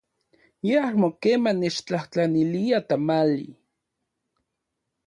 Ye amo keman nechtlajtlanilia tamali.